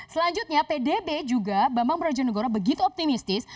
selanjutnya pdb juga bambang brojonegoro begitu optimistis